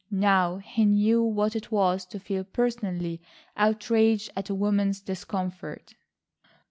Now he knew what it was to feel personally outraged at a woman's discomfort.